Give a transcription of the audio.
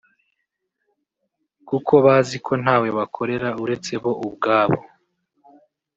kuko bazi ko ntawe bakorera uretse bo ubwabo